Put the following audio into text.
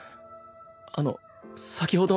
あの先ほどの。